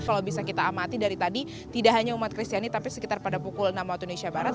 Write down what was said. kalau bisa kita amati dari tadi tidak hanya umat kristiani tapi sekitar pada pukul enam waktu indonesia barat